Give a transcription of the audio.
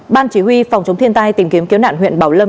ban chỉ huy phòng chống thiên tai tìm kiếm cứu nạn huyện bảo lâm